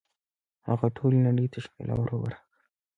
هغه ټولې نړۍ ته ښکلا ور په برخه کړه